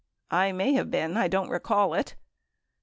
I may have been. I don't recall it.